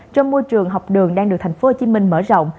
trong môi trường học đường đang được tp hcm mở rộng